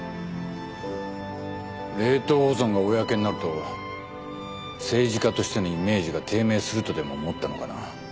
冷凍保存が公になると政治家としてのイメージが低迷するとでも思ったのかな。